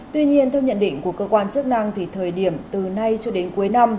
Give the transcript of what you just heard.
tuy nhiên theo nhận định của cơ quan chức năng thì thời điểm từ nay cho đến cuối năm